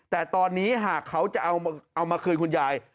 แต่ตอนนี้หากเขาจะเอามาคืนคุณยาย